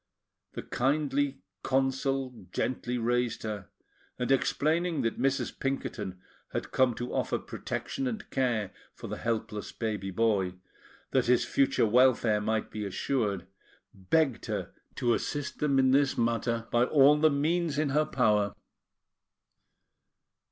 The kindly Consul gently raised her, and explaining that Mrs. Pinkerton had come to offer protection and care for the helpless baby boy, that his future welfare might be assured, begged her to assist them in this matter by all the means in her power.